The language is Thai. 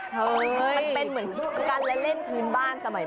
เห้ยเป็นเหมือนกันและเล่นทูลบ้านสมัยบน